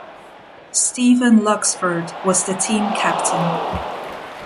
Stephen Luxford was the team captain.